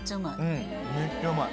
めっちゃうまい。